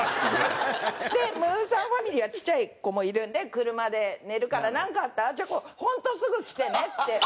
でムーさんファミリーはちっちゃい子もいるんで車で寝るからなんかあったらあちゃこホントすぐ来てねって言われて。